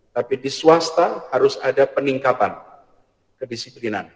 tapi di swasta harus ada peningkatan kedisiplinan